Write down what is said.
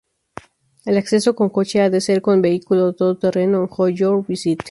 El acceso con coche ha de ser con vehículo todo terreno, enjoy your visit.